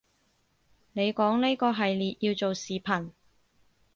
你講呢個系列要做視頻